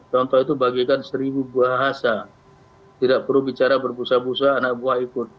contoh itu bagikan seribu bahasa tidak perlu bicara berbusa busa anak buah ikut